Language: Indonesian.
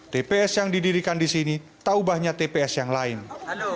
tps yang didirikan di sini tak ubahnya tps yang lain